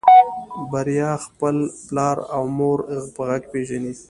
بريا خپل پلار او مور په غږ پېژني.